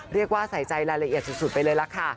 เรียกว่าใส่ใจรายละเอียดสุดไปเลยล่ะค่ะ